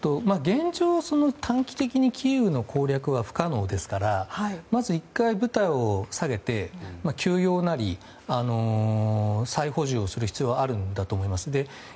現状、短期的にキーウの攻略は不可能ですからまず１回、部隊を下げて休養なり再補充をする必要があるんだと思います。